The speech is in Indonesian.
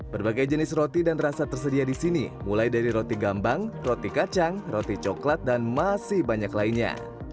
berbagai jenis roti dan rasa tersedia di sini mulai dari roti gambang roti kacang roti coklat dan masih banyak lainnya